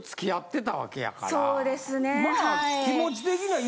そうですねはい。